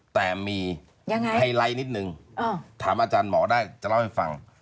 แต่มีไฮไลท์นิดนึงถามอาจารย์หมอได้จะเล่าให้ฟัง